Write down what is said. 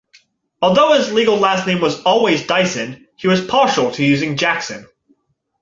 Although, his legal last name was always Dyson, he was partial to using Jackson.